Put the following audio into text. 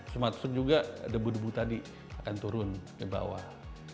semacam juga debu debu tadi akan turun ke bawah